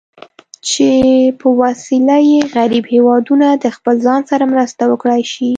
چې په وسیله یې غریب هېوادونه د خپل ځان سره مرسته وکړای شي.